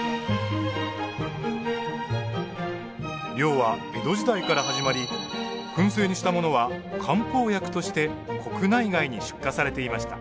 漁は江戸時代から始まりくん製にしたものは漢方薬として国内外に出荷されていました。